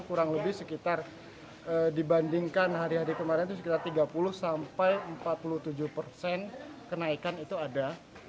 kurang lebih sekitar dibandingkan hari hari kemarin itu sekitar tiga puluh sampai empat puluh tujuh persen kenaikan itu ada